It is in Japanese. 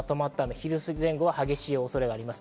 昼すぎ前後は激しい雨の恐れがあります。